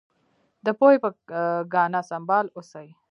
د پوهې په ګاڼه سمبال اوسئ.